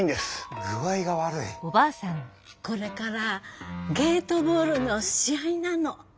これからゲートボールの試合なの。